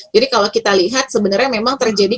jadi kalau kita lihat sebenarnya memang terjadi